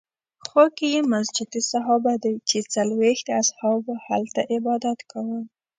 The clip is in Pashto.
خوا کې یې مسجد صحابه دی چې څلوېښت اصحابو هلته عبادت کاوه.